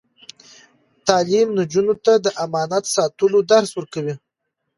تعلیم نجونو ته د امانت ساتلو درس ورکوي.